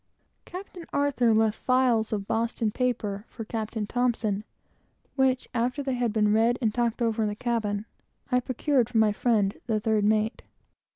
Captain Arthur left files of Boston papers for Captain T , which, after they had been read and talked over in the cabin, I procured from my friend the third mate.